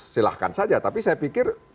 silahkan saja tapi saya pikir